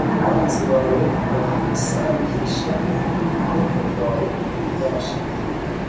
abanzi bawe ubasanjisha ukuboko kwawe k'ububasha